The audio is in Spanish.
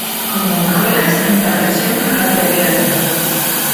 como mejoras en la presión arterial